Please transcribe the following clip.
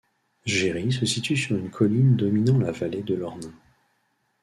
Géry se situe sur une colline dominant la vallée de l'Ornain.